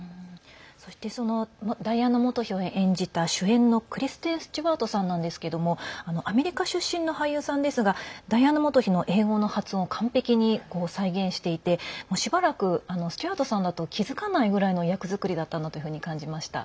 そしてそのダイアナ元妃を演じた主演のクリステン・スチュワートさんなんですけどもアメリカ出身の俳優さんですがダイアナ元妃の英語の発音を完璧に再現していてしばらくスチュワートさんだと気付かないぐらいの役作りだったんだというふうに感じました。